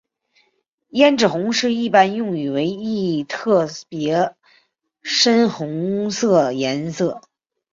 胭脂红是一般用语为一特别深红色颜色。